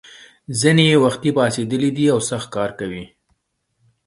ځینې یې وختي پاڅېدلي او سخت کار کوي.